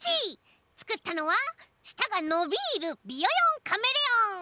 つくったのはしたがのびるビヨヨンカメレオン！